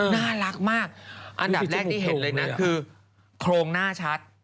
น่ารักมากอันดับแรกที่เห็นเลยนะคือโครงหน้าชัด